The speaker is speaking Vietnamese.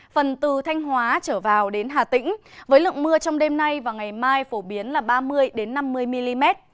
phần từ thanh hóa trở vào đến hà tĩnh với lượng mưa trong đêm nay và ngày mai phổ biến là ba mươi năm mươi mm